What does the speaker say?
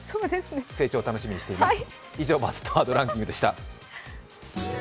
成長を楽しみにしています。